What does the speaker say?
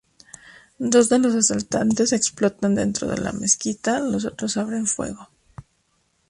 Dos de los asaltantes explotan dentro de la mezquita, los otros abren fuego.